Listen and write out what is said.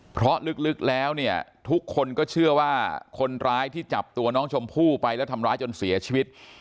เพราะลึกแล้วเนี่ยทุกคนก็เชื่อว่าคนร้ายที่จับตัวน้องชมพู่ไปแล้วทำร้ายจนเสียชีวิต